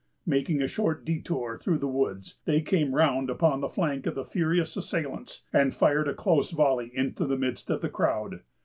Making a short détour through the woods, they came round upon the flank of the furious assailants, and fired a close volley into the midst of the crowd.